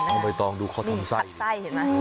ตะไส้เห็นไหม